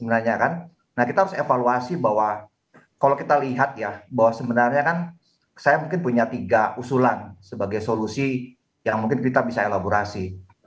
nah kita harus evaluasi bahwa kalau kita lihat ya bahwa sebenarnya kan saya mungkin punya tiga usulan sebagai solusi yang mungkin kita bisa elaborasi